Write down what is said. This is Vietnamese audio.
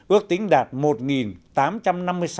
ước tính đạt một ba so với năm trước